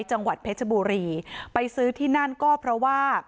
จังหวัดเพชรบุรีไปซื้อที่นั่นก็เพราะว่า